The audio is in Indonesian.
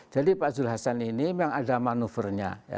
jadi pak jules hassan ini yang ada manuvernya